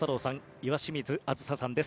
岩清水梓さんです。